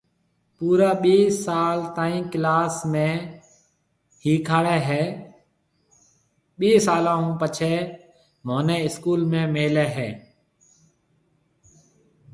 پورا ٻي سال تائين ڪلاس ۾ هِيکاڙي هيَ ٻي سالون هون پڇي مهونَي اسڪول ۾ ملي هيَ